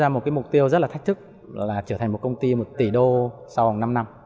ra một cái mục tiêu rất là thách thức là trở thành một công ty một tỷ đô sau vòng năm năm